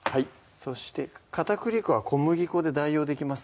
そして片栗粉は小麦粉で代用できますか？